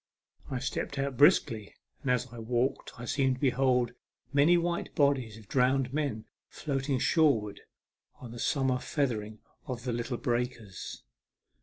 I stepped out briskly, and as I walked I seemed to behold many white bodies of drowned men floating shore wards on the summer feather ing of the little breakers.